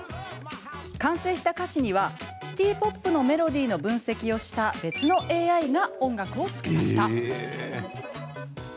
完成した歌詞にはシティ・ポップのメロディーの分析をした別のＡＩが音楽をつけました。